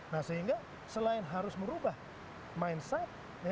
nah sehingga selain harus merubah mindset